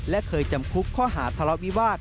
และเคยจำคุกข้อหาทะเลาะวิวาส